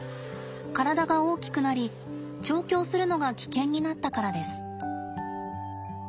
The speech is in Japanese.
体が大きくなり調教するのが危険になったからです。